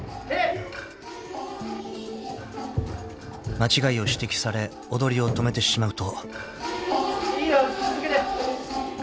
［間違いを指摘され踊りを止めてしまうと］